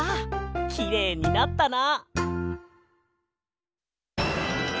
きれいになったな。